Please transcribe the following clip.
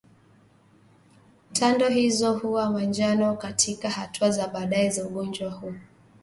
Tando hizo kuwa manjano katika hatua za baadaye za ugonjwa huu